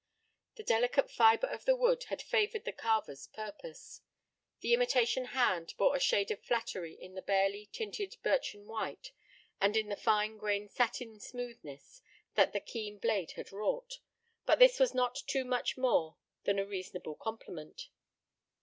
The delicate fiber of the wood had favored the carver's purpose. The imitation hand bore a shade of flattery in the barely tinted birchen white, and in the fine grained satin smoothness that the keen blade had wrought, but this was not too much for more than a reasonable compliment.